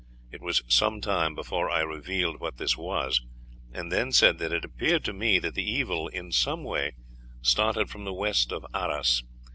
It was some time before I revealed what this was, and then said that it appeared to me that the evil in some way started from the west of Arras.